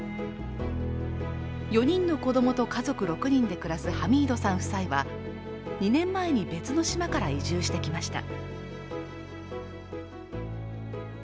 ４人の子供と家族６人で暮らすハミードさん夫妻は、２年前に別の島から移住してきました。